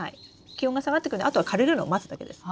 気温が下がってくるのであとは枯れるのを待つだけです。